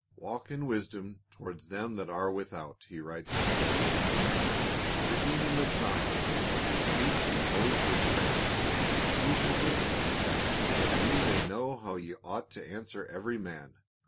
" Walk in wisdom toward them that are without," he writes to Colossae, " redeeming the time. Let your speech be always with grace, seasoned with salt, that ye may know how ye ought to answer every man.